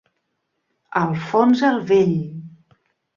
Alfons el Vell.